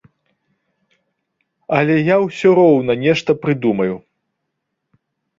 Але я ўсе роўна нешта прыдумаю.